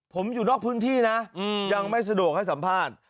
ผมอยู่นอกพื้นที่นะยังไม่สะดวกให้สัมภาษณ์